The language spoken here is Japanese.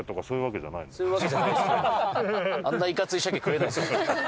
そういうわけじゃないですね。